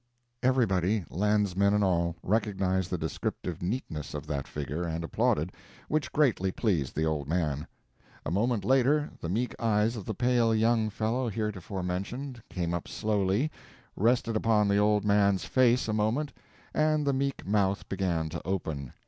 Everybody, landsmen and all, recognized the descriptive neatness of that figure, and applauded, which greatly pleased the old man. A moment later, the meek eyes of the pale young fellow heretofore mentioned came up slowly, rested upon the old man's face a moment, and the meek mouth began to open.